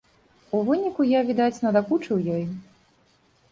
У выніку я, відаць, надакучыў ёй.